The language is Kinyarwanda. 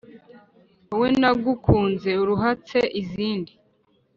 wowe nakunze uruhatse izindi